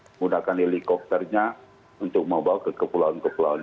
menggunakan helikopternya untuk membawa ke kepulauan kepulauan